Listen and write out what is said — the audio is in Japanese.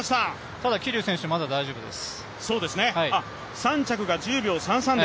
ただ桐生選手、まだ大丈夫です。